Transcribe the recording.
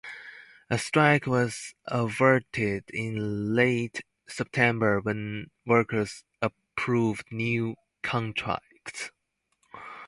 A strike was averted in late September when workers approved new contracts.